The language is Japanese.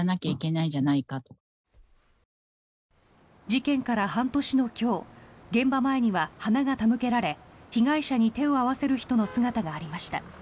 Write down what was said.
事件から半年の今日現場前には花が手向けられ被害者に手を合わせる人の姿がありました。